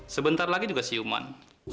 sebentar lagi juga siuman